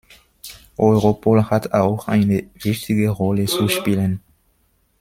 Europol hat auch eine wichtige Rolle zu spielen.